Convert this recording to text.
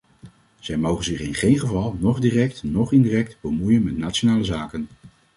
Zij mogen zich in geen geval, noch direct noch indirect, bemoeien met nationale zaken.